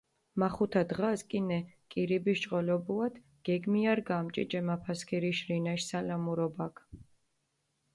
მახუთა დღას, კინე კირიბიშ ჭყოლობუათ, გეგმიარგამჷ ჭიჭე მაფასქირიშ რინაშ სალამურობაქ.